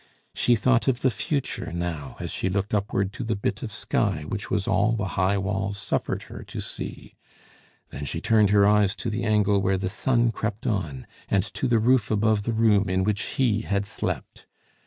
She thought of the future now as she looked upward to the bit of sky which was all the high walls suffered her to see; then she turned her eyes to the angle where the sun crept on, and to the roof above the room in which he had slept.